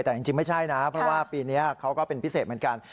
แต่จริงไม่ใช่นะเพราะว่าปีนี้เขาก็เป็นพิเศษเหมือนกัน